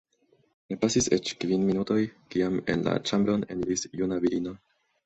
Ne pasis eĉ kvin minutoj, kiam en la ĉambron eniris juna virino.